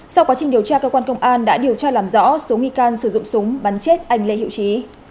sau quá trình điều tra cơ quan công an đã điều tra làm rõ số nghi can sử dụng súng bắn chết anh lê hiệu trí